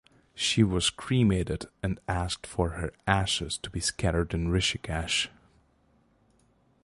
She was cremated and asked for her ashes to be scattered in Rishikesh.